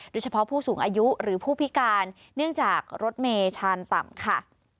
โดยเฉพาะผู้สูงอายุหรือผู้พิการเนื่องจากรถเมชานต่ำค่ะ